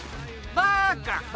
バカ？